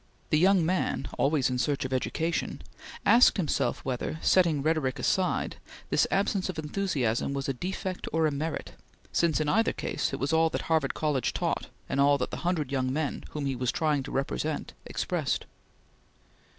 The young man always in search of education asked himself whether, setting rhetoric aside, this absence of enthusiasm was a defect or a merit, since, in either case, it was all that Harvard College taught, and all that the hundred young men, whom he was trying to represent, expressed.